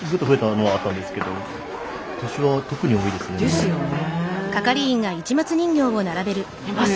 ですよね。